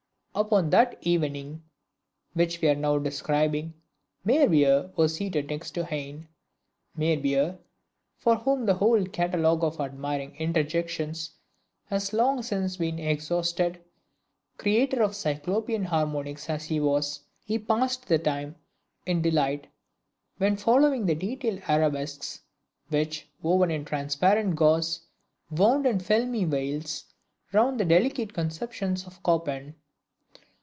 Upon that evening which we are now describing, Meyerbeer was seated next to Heine; Meyerbeer, for whom the whole catalogue of admiring interjections has long since been exhausted! Creator of Cyclopean harmonics as he was, he passed the time in delight when following the detailed arabesques, which, woven in transparent gauze, wound in filmy veils around the delicate conceptions of Chopin.